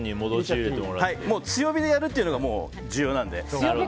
強火でやるというのが重要なので。